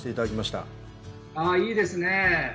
ああいいですね。